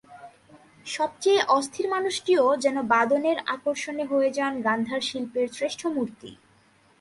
সবচেয়ে অস্থির মানুষটিও যেন বাদনের আকর্ষণে হয়ে যান গান্ধার শিল্পের শ্রেষ্ঠ মূর্তি।